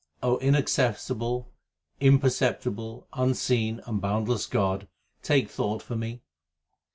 inaccessible, imperceptible, unseen, and boundless God, take thought for me.